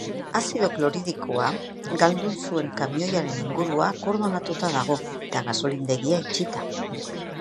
Azido klorhidrikoa galdu duen kamioiaren ingurua akordonatuta dago eta gasolindegia itxita.